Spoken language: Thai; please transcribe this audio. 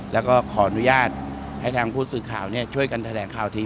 แล้วก็ขออนุญาตให้ทางผู้สื่อข่าวช่วยกันแถลงข่าวที